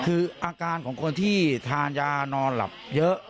คืออาการของคนที่ทานยานอนหลับเยอะ